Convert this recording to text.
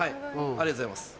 ありがとうございます。